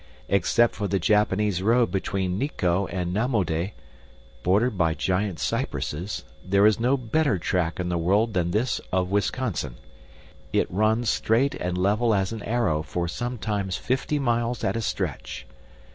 Except for the Japanese road between Nikko and Namode, bordered by giant cypresses, there is no better track in the world than this of Wisconsin. It runs straight and level as an arrow for sometimes fifty miles at a stretch.